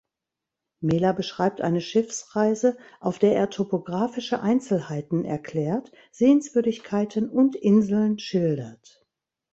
Mela beschreibt eine Schiffsreise, auf der er topographische Einzelheiten erklärt, Sehenswürdigkeiten und Inseln schildert.